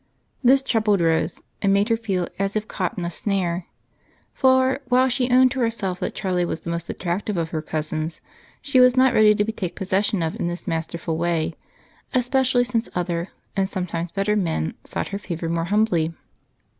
This troubled Rose and made her feel as if caught in a snare, for, while she owned to herself that Charlie was the most attractive of her cousins, she was not ready to be taken possession of in this masterful way, especially since other and sometimes better men sought her favor more humbly.